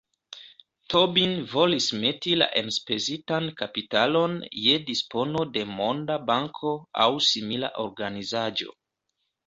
Tobin volis meti la enspezitan kapitalon je dispono de Monda Banko aŭ simila organizaĵo.